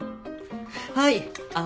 はいあん。